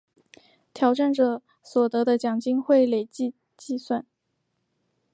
挑战者所得的奖金会累积计算。